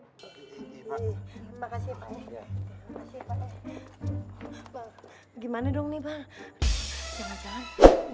terima kasih pak